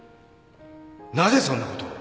なぜそんなことを。